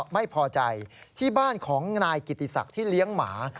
ไม่พอใจที่บ้านของนายกิติศักดิ์ที่เลี้ยงหมา